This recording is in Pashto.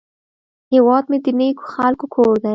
هیواد مې د نیکو خلکو کور دی